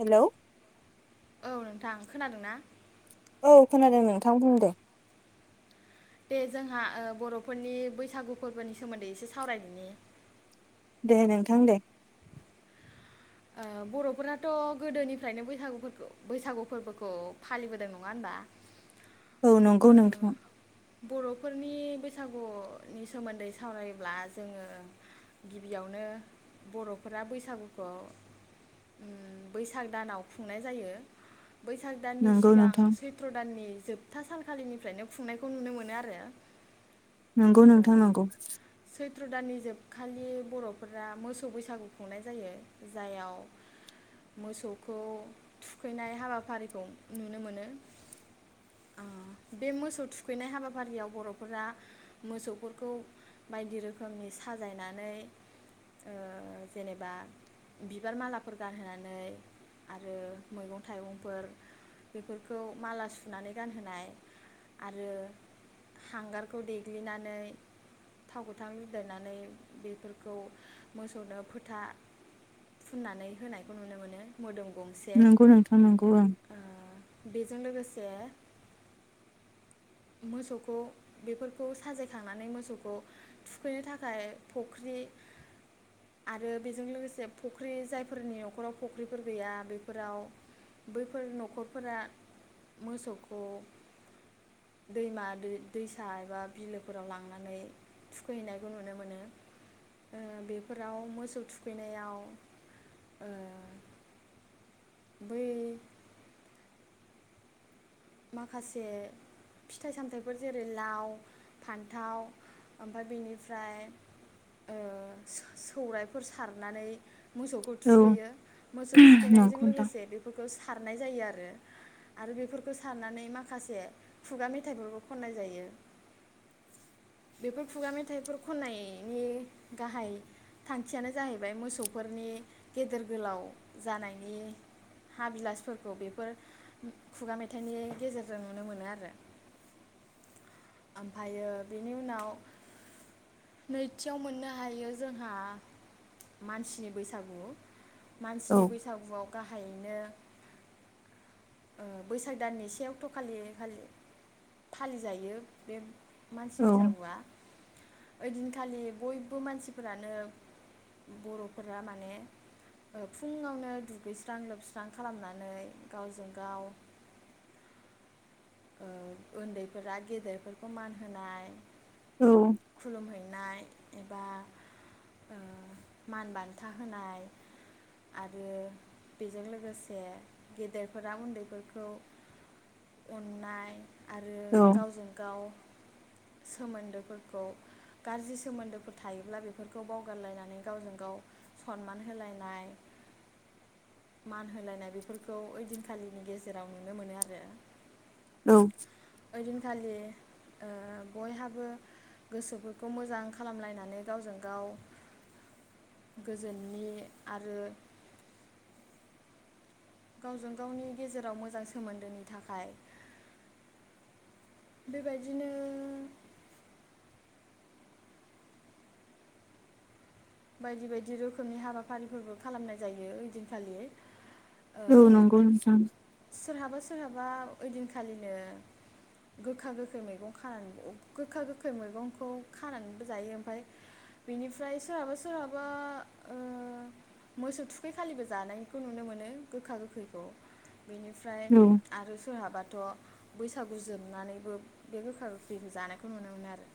Hello ओउ नोंथां खोनादों ना? औ खोनादों नोंथां बुंदों दे। दे जोंहा ओ बर'फोरनि बैसागु फोरबोनि सोमोन्दै एसे सावरायदोनि। दे नोंथां दे। ओ बर'फोराथ' गोदोनिफ्रायनो बैसागुफोरखौ बैसागु फोरबोखौ फालिबोदों नङा होनबा ओउ नंगौ नोंथां। फोरनि बैसागुनि सोमोन्दै सावरायोब्ला जोङो गिबियावनो बर'फोरा बैसागुखौ बैसाग दानाव खुंनाय जायो। बैसाग दाननि नंगौ सिगां नोंथां सैत्र दाननि जोबथासा खालिनिफ्रायनो खुंनायखौ नुनो मोनो आरो। नंगौ नोंथां नंगौ सैत्रदाननि जोबखालि बरफोरा मोसौ बैसागु खुंनाय जायो। जाययाव मोसौखौ थुखैनाय हाबाफारिखौ नुनो मोनो बे मोसौ थुखैनाय हाबाफारियाव बर'फोरा मोसौफोरखौ बायदि रोखोमनि साजायनानै ओ जेनेबा बिबार मालाफोर गानहोनानै आरो मैगं थाइगंफोर बेफोरखौ माला सुनानै गानहोनाय आरो हांगारखौ देग्लिनानै थाव गोथां लदेरनानै बेफोरखौ मोसौनो फोथा फुननानै होनायखौ नुनो मोनो मोदोम गंसे नंगौ नोंथां नंगौ ओं ओ बेजों लोगोसे मोसौखौ बेफोरखौ साजायखांनानै मोसौखौ थुखैनो थाखाय फख्रि आरो बेजों लोगोसे फख्रि जायफोरनि न'खराव फख्रिफोर गैया बेफोराव बैफोर न'खरफोरा मोसौखौ दैमा दै दैसा एबा बिलोफोराव लांनानै थुखैहैनायखौ नुनो मोनो ओ बेफोराव मोसौ थुखैनायाव ओ बै माखासे फिथाइ सामथाइफोर जेरै लाव फान्थाव ओमफाय बेनिफ्राय ओ सौराइफोर सारनानै मोसौखौ ओं औ थुखैयो मोसौ थुखैनायजों नंगौ नोंथां लोगोसे बेफोरखौ सारनाय जायो आरो आरो बेफोर खौ सारनानै माखासे खुगा मेथाइफोरखौ खननाय जायो। बेफोर खुगा मेथाइफोर खननायनि गाहाय थांखियानो जाहैबाय मोसौफोरनि गेदेर गोलाव जानायनि हाबिलासफोरखौ बेफोर खुगा मे थाइनि गेजेरजों नुनो मोनो आरो ओमफायो बेनि उनाव नैथियाव मोननो हायो जोंहा मानसिनि बैसागु। औ मानसिनि बैसागुआव गाहायैनो ओ बैसाग दाननि से अक्ट'खालि फालि-फालिजायो। बे मानसि औ बैसागुआ ओइदिनखालि बयबो मानसिफोरानो बर'फोरा माने ओ फुङावनो दुगैस्रां लोबस्रां खालामनानै गावजों गाव ओ ओन्दैफोरा गेदेरफोरखौ मान होनाय। औ खुलुमहैनाय एबा ओ मान बान्था होनाय आरो बेजों लोगोसे गेदेरफोरा उन्दैफोरखौ अननाय आरो औ गावजों गाव सोमोन्दोफोरखौ गाज्रि सोमोन्दोफोर थायोब्ला बेफोरखौ बावगारलायनानै गावजों गाव सनमान होलायनाय मान होलायनाय बेफोरखौ ओइदिनखालिनि गेजेराव नुनो मोनो आरो। औ ओदिनखालि ओ बयहाबो गोसोफोरखौ मोजां खालामलायनानै गावजों गाव गोजोननि आरो गावजों गावनि गेजेराव मोजां सोमोन्दोनि थाखाय बेबायदिनो बायदि बायदि रोखोमनि हाबाफारिफोरबो खालामनाय जायो ओइदिनखालि। ओ औ नंगौ नोंथां। सोरहाबा सोरहाबा ओइदिनखालिनो गोखा गोखै मैगं खानानै गोखा गोखै मैगंखौ खानानैबो जायो। ओमफाय बेनिफ्राय सोरहाबा सोर सोरहाबा ओ मोसौ थुखैखालिबो जानायखौ नुनो मोनो गोखा गोखैखौ बेनिफ्राय औ आरो सोरहाबाथ' बैसागु जोबनानैबो बे गोखा गोखैखौ जानायखौ नुनो मोनो आरो।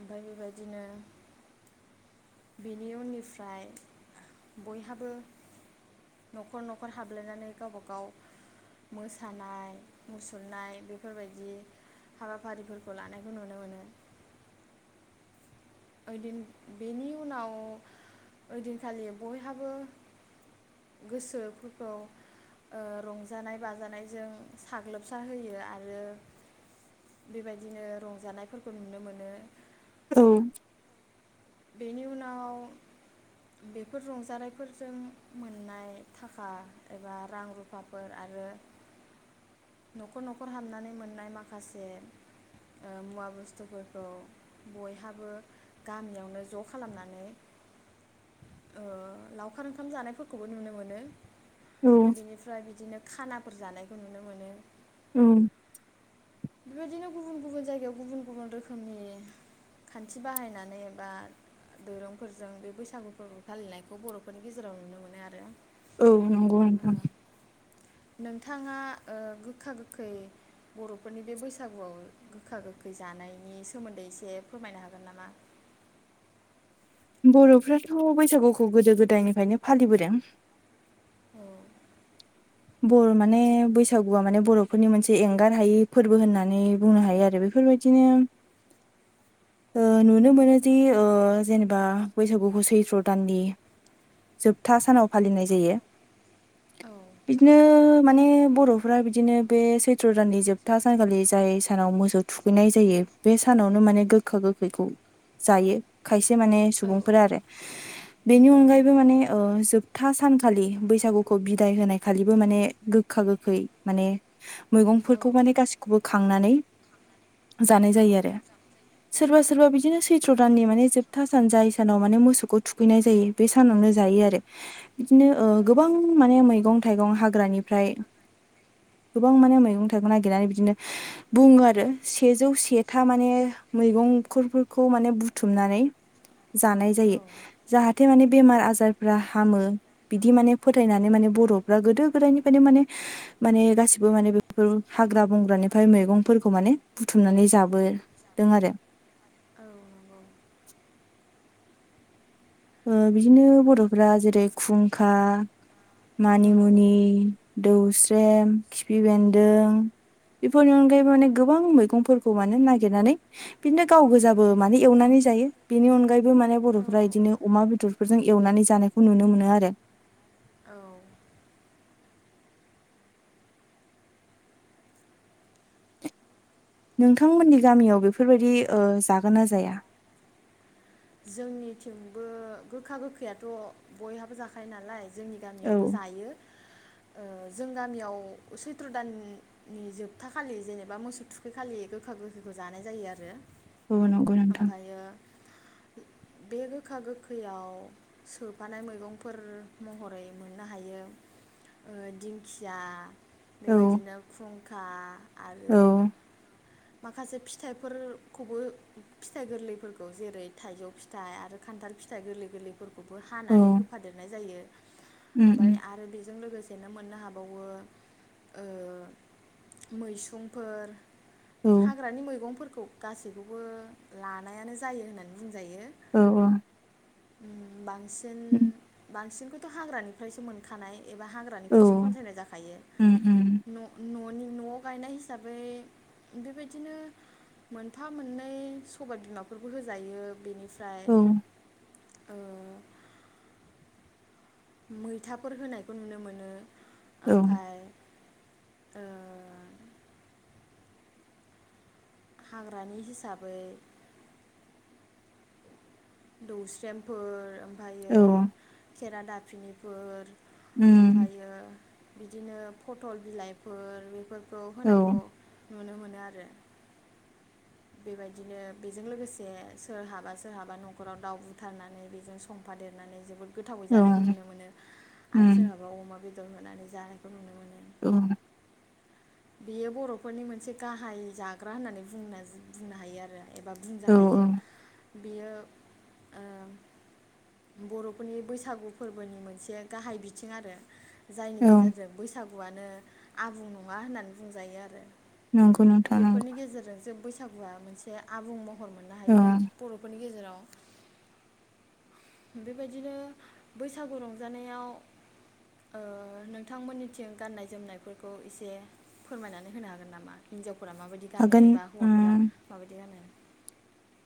ओमफाय बेबायदिनो बेनि उननिफ्राय बयहाबो न'खर न'खर हाबलायनानै गावबा गाव मोसानाय मुसुरनाय बेफोरबायदि हाबाफारिफोरखौ लानायखौ नुनो मोनो। ओइदिन बेनि उनाव ओइदिनखालि बयहाबो गोसोफोरखौ ओ रंजानाय बाजानायजों साग्लोबसार होयो आरो बेबायदिनो रंजानायफोरखौ नुनो मोनो। औ बेनि उनाव बेफोर रंजानायफोरजों मोननाय थाखा एबा रां रुफाफोर आरो न'खर न'खर हाबनानै मोननाय माखासे ओ मुवा बुस्थुफोरखौ बयहाबो गामियाव नो ज' खालामनानै ओ लावखार ओंखाम जानायफोरखौबो नुनो मोनो। औ बिनिफ्राय बिदिनो खाना जानायखौ नुनो मोनो। ओम बेबायदिनो गुबुन गुबुन जायगायाव गुबुन गुबुन रोखोमनि खान्थि बाहायनानै एबा दोरोंफोरजों बे बैसागु फोरबो फालिनायखौ बर'फोरनि गेजेराव नुनो मोनो आरो औ नंगौ नोंथां थाङा ओ गोखा गोखै बर' फोरनि बे बैसागुआव गोखा गोखै जानायनि सोमोन्दै एसे फोरमायनो हागोन नामा? बरफ्राथ' बैसागुखौ गोदो गोदायनिफ्रायनो फालिबोदों औ बर' माने बैसागुआ माने बर'फोरनि मोनसे एंगार हायि फोरबो होननानै बुंनो हायो आरो बेफोरबायदिनो ओ नुनो मोनोदि ओ जेनेबा बैसागुखौ सैथ्र' दाननि जोबथा सानाव फालिनाय जायो औ बिदिनो माने बर'फोरा बिदिनो बे सैथ्र' दाननि जोबथा सानखालि जाय सानाव मोसौ थुखैनाय जायो बे सानावनो माने गोखा गोखैखौ जायो खायसे माने औ सुबुंफोरा आरो बेनि औ अनगायैबो माने ओ जोब था सानखालि बैसागुखौ बिदाय होनाय खालिबो माने गोखा गोखै माने औ मैगंफोरखौ माने गासिखौबो खांनानै जानाय जायो आरो सोरबा सोरबा बिदिनो सैथ्र' दाननि माने जोबथा सान जाय सानाव माने मोसौखौ थुखैनाय जायो बे सानावनो जायो आरो बिदिनो ओ औ गोबां माने मैगं थाइगं हाग्रानिफ्राय गोबां माने मैगं-थाइगं नागिरनानै बिदिनो बुङो आरो सेजौ सेथा माने मैगंफोरखौ माने बुथुमनानै जानाय औ जायो जाहाथे माने बेमार आजारफ्रा हामो बिदि माने फोथायनानै माने बर' फोरा‌ गोदो गोदायनिफ्रायनो माने माने गासिबो माने बेफोर हाग्रा बंग्रानिफ्राय मैगंफोरखौ माने बुथुमनानै जाबोदों आरो औ नंगौ ओ बिदिनो बर'फोरा जेरै खुंखा मानिमुनि दौस्रेम, खिफि बेन्दों बेफोरनि अनगायै माने गोबां मैगंफोरखौ माने नागिरनानै बिदिनो गाव गोजा बो माने एवनानै जायो बेनि अनगायैबो माने औ बर'फोरा इदिनो बेदरफोरजों एवनानै जानायखौ नुनो मोनो आरो औ नोंथांमोननि गामियाव बेफोरबायदि ओ जागोन ना जाया? जोंनिथिंबो गोखा गोखैयाथ' बयहाबो जाखायो नालाय जोंनि औ गामियावबो जायो ओ जों गामियाव सैथ्र' दाननि जोबथा खालि जेनेबा मोसौ थुखैखालि गोखा गोखैखौ जानाय जायो आरो औ नंगौ नोंथां ओमफ्रायो बे गोखा गोखैयाव सोफानाय मैगंफोर महरै मोननो हायो ओ दिंखिया औ बेबायदिनो फुं खा औ आरो माखासे फिथाइफोरखौबो फिथाइ गोरलैफोरखौ जेरै थाइजौ फिथाइ आरो खान्थाल फिथाइ गोरलै गोरलैफोर खौबो औ हानानै होफादेरनाय जायो। उम ओमफ्राय उम आरो बेजों लोगो सेनो मोननो हाबावो ओ मैसुंफोर औ हाग्रानि मैगंफोर खौ गासैखौबो लानायानो जायो होननानै बुंजायो। औ औ। [unintelligible] बां सिन उम बांसिनखौ थ' हाग्रानिफ्रायसो मोनखानाय एबा औ हाग्रानिफ्रायसो खनसायनाय जाखायो। उम उम न' न' नि न'आव गायनाय हिसाबै बेबायदिनो मोनफा मोननै सबायाइ बिमाफोरखौ होजायो बिनि फ्राय औ ओ मैथाफोर होनायखौ नुनो मोनो। औ ओमफ्राय ओ हाग्रानि हिसाबै दौस्रेमफोर औ। खेरा दाफिनिफोर उम ओमफ्रायो बिदिनो फटल बिलाइफोर बेफोर खौ औ होनायखौ नुनो मोनो आरो। बेबायदिनो बेजों लोगोसे सोरहाबा सोरहाबा नखराव दाउ बुथारनानै बेजों समफा देरनानै जोबोद गोथावै औ जानायखौ नुनो मोनो आरो उम सोरहाबा अमा बे दर होनानै जानायखौ नुनो मोनो। औ। बेयो बर'फोरनि मोनसे गाहाय जाग्रा होननानै बुंनो बुंनो हायो आरो एबा औ बुंजाखायो। बियो ओ बर'फोरनि बैसागु फोरबोनि मोनसे गाहाय बिथिं आरो जायनि औ गेजेरजों बैसागु गुयानो आबुं नु मा होननानै बुंजायो आरो। नंगौ नोंथां नंगौ। सागुआ मोनसे आबुं म हर मोननो औ हायो बर'फोरनि गेजेराव बेबायदिनो बैसागु रंजानायाव ओ नोंथांमोननिथिं गाननाय जोमनायफोरखौ एस ए फोरमायनानै होनो हागोन नामा हिनजाव फोरा माबायदि गानो हागोन एबा हौवाफोरा उम माबायदि गानो?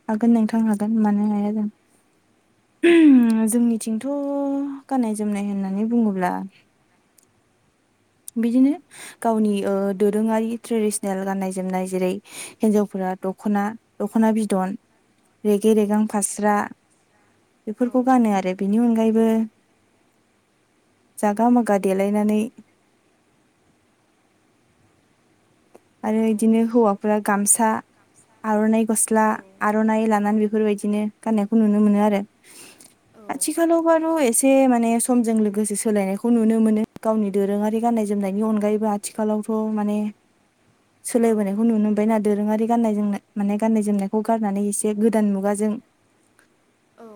हागोन नोंथां हागोन मानो हाया जानो जोंनिथिंथ' गाननाय जोमनाय होननानै बुङोब्ला बिदिनो गावनि ओ दोरोङारि ट्रेडिसनेल गाननाय जोमनाय जेरै हिनजावफोरा दखना दखना बिदन रेगे औ रेगां फास्रा औ बेफोरखौ गानो आरो बेनि अनगायैबो जागा मागा देलायनानै आरो औ इदिनो हौवाफोरा गामसा आरनाइ गस्ला आरनाइ लानानै बे फोरबायदिनो गाननायखौ नुनो मोनो आरो औ आथिखालावबार' एसे माने समजों लोगोसे सोलायनायखौ नुनो मोनो गावनि दोरोङारि गाननाय जोमनायनि अनगायैबो आथिखालावथ' माने औ सोलायबोनायखौ नुनो मोनबायना दोरोङारि गाननाय जोमनाय माने गाननाय जोमनायखौ गारनानै एसे गोदान मुगाजों औ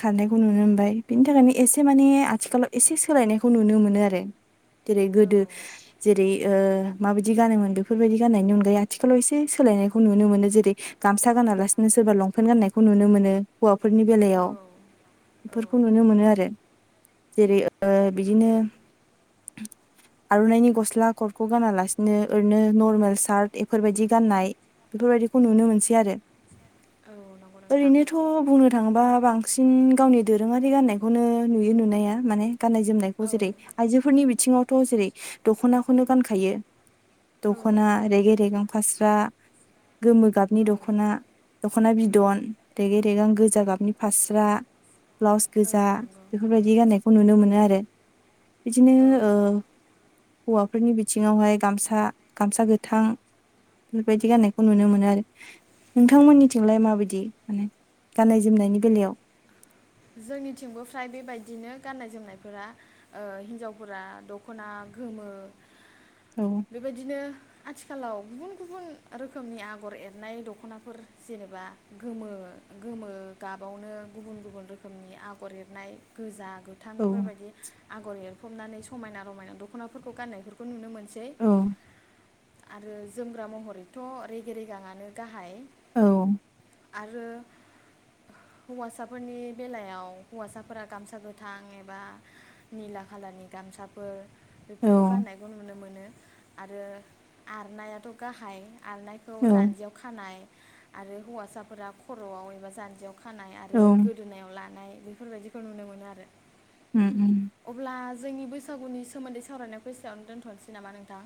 खारनायखौ नुनो मोनबाय बिनि थाखायनो एसे माने आथिखालाव एसे सोलायनायखौ नुनो मोनो आरो जेरै गोदो जेरै ओ माबायदि गानोमोन बेफोरबायदि गाननायनि अनगायै आथिखालाव एसे सोलायनायखौ नुनो मोनो जेरै गामसा गानालासिनो सोरबा लंपेन्ट गाननायखौ नुनो मोनो हौवाफोरनि बेलायाव औ बेफोरखौ नुनो मोनो आरो जेरै ओ बिदिनो आरनाइनि गस्ला खरखौ गानालास नो ओरैनो नरमेल सार्ट एफोरबायदि गाननाय बेफोरबायदिखौ नुनो मोनसै आरो औ नंगौ नोंथां ओरैनोथ' बुंनो थांबा बांसिन गावनि दोरोङारि गाननायखौनो नुयो नुनाया माने गाननाय औ जोमनायखौ जेरै आइजोफोरनि बि थिङावथ' जेरै दखनाखौनो गानखायो औ दखना रेगे रेगां फास्रा गोमो गाबनि औ दखना दखना बिदन रेगे रेगां गोजा गाबनि फास्रा ब्लाउस औ गोजा नंगौ बेफोरबायदि गाननाय खौ नुनो मोनो आरो। बिदिनो औ ओ हौवाफोरनि बिथिङावहाय गामसा सा गामसा गोथां बेबायदि गाननायखौ नुनो मोनो आरो। नोंथांमोननिथिंलाय माबायदि माने गाननाय जोमनायनि बेलायाव? जोंनिथिंबो फ्राय बेबायदिनो गाननाय जोमनायफोरा ओ हिनजावफोरा दखना गोमो औ बेबायदिनो आथिखालाव गुबुन गुबुन रोखोमनि आगर एरनाय दखनाफोर जेनेबा गोमो गोमो गाबावनो गुबुन गुबुन रो खोमनि आगर एरनाय गोजा गोथां औ बेफोरबायदि आगर एर हमनानै समायना रमायना दखनाफोरखौ गाननायफोरखौ नुनो मोन सै। औ आरो जोमग्रा महरैथ रेगे रेगांआनो गाहाय। औ आरो हौवासाफोरनि बेलायाव हौवासाफोरा गामसा गोथां एबा निला खालारनि गामसाफोर औ बेफोरखौ गाननायखौ नुनो मोनो। आरो आरनायाथ गाहाय। आरनायखौ औ जान्जियाव खानाय आरो हौवासाफोरा खरआव एबा जान्जियाव खानाय आरो गो दोनायाव लानाय बेफोरबायदिखौ नुनो मोनो आरो। उम उम अब्ला जोंनि बैसागुनि सोमोन्दै सावरायनायखौ एसेयावनो दोनथनोसै नामा नोंथां?